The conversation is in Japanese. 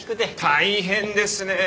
大変ですね！